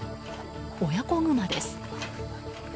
親子グマです。